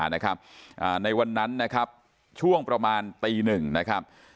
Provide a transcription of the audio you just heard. ในวันนั้นนะครับช่วงประมาณตีหนึ่งนะครับ